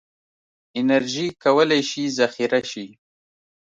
انرژي کولی شي ذخیره شي.